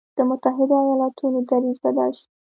د متحدو ایالتونو دریځ بدل شو.